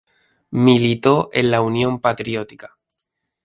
Militó en la Unión Patriótica.